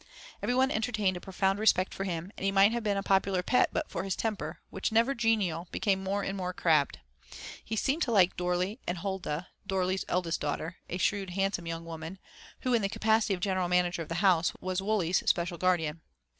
Everyone entertained a profound respect for him, and he might have been a popular pet but for his temper which, never genial, became more and more crabbed. He seemed to like Dorley, and Huldah, Dorley's eldest daughter, a shrewd, handsome, young woman, who, in the capacity of general manager of the house, was Wully's special guardian.